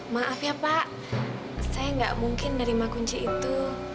maaf ya pak saya gak mungkin nerima kunci itu